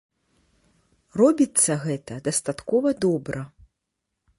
Робіцца гэта дастаткова добра.